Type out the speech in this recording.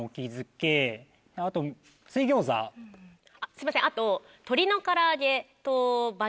すいませんあと。